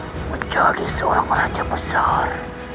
menjadi seorang raja besar